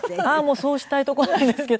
もうそうしたいとこなんですけど。